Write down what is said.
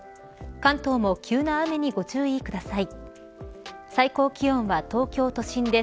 関東も急な雨にご注意ください。